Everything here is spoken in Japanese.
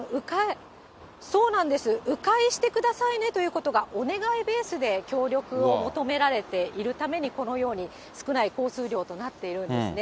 そうなんです、う回してくださいねということが、お願いベースで協力を求められているために、このように少ない交通量となっているんですね。